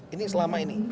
ini selama ini